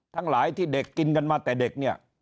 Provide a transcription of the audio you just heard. ทั้งหลายที่เด็กกินกันมาแต่เด็กเนี่ย